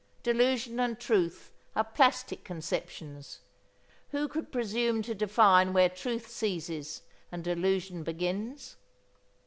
Delusion and truth are plastic conceptions. Who could presume to define where truth ceases and delusion begins?